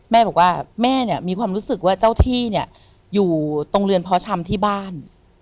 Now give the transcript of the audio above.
แม่บอกว่าแม่เนี่ยมีความรู้สึกว่าเจ้าที่เนี่ยอยู่ตรงเรือนเพาะชำที่บ้าน